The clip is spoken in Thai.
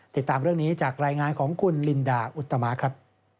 ติดตามเรื่องนี้จากรายงานของคุณลินดาอุตมะครับ